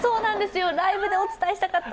ライブでお伝えしたかった。